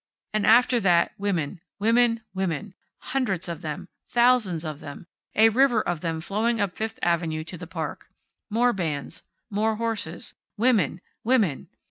And after that women, women, women! Hundreds of them, thousands of them, a river of them flowing up Fifth avenue to the park. More bands. More horses. Women! Women!